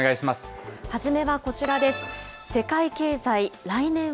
初めはこちらです。